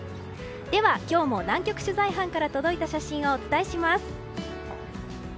では、今日も南極取材班から届いた写真をお伝えします。